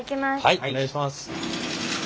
はいお願いします。